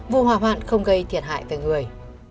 vụ hỏa hoạn không gây thiệt hại về người